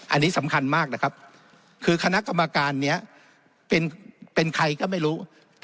อันนี้สำคัญมากนะครับคือคณะกรรมการนี้เป็นใครก็ไม่รู้